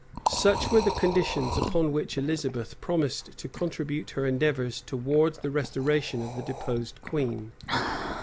[*] Such were the conditions upon which Elizabeth promised to contribute her endeavors towards the restoration of the deposed queen.